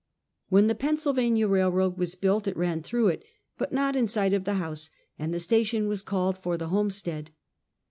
AVhen the Pennsylvania railroad was built it ran through it, but not in sight of the house, and the station was called for the homestead.